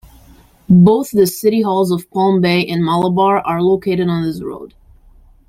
Both the city halls of Palm Bay and Malabar are located on this road.